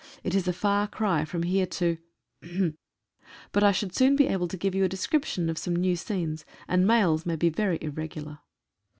It is a far cry from here to ? but I should soon be able to give you a description of some new scenes, and mails may be very irregular.